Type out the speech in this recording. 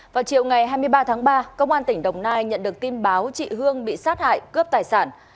vào chiều ngày hai mươi ba tháng ba công an tỉnh đồng nai nhận được tin báo chị hương bị sát hại cướp tài sản